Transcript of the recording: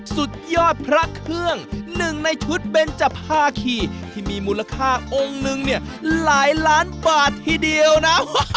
สุดยอดพระเครื่องหนึ่งในชุดเบนจภาคีที่มีมูลค่าองค์นึงเนี่ยหลายล้านบาททีเดียวนะ